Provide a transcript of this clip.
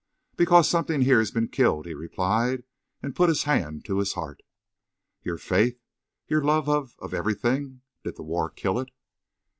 "Because something here's been killed," he replied, and put his hand to his heart. "Your faith? Your love of—of everything? Did the war kill it?"